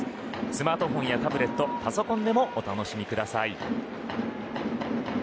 スマートフォンやタブレットパソコンでも楽しみください。